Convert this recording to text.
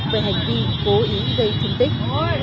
về hành vi cố ý gây thương tích